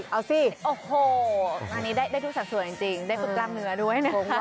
เอาสิโอ้โหอันนี้ได้ทุกสัดส่วนจริงได้ทุกกล้ามเนื้อด้วยนะคะ